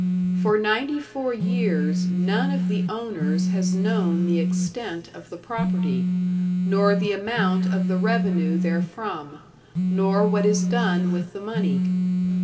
For 94 years none of the owners has known the extent of the property, nor the amount of the revenue therefrom, nor what is done with the money.